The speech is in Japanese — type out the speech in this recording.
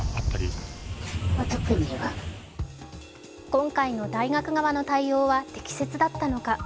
今回の大学側の対応は適切だったのか。